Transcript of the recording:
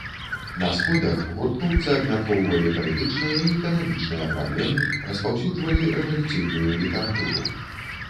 На сходах гурткоўцы абмяркоўвалі палітычныя і эканамічныя праблемы, распаўсюджвалі рэвалюцыйную літаратуру.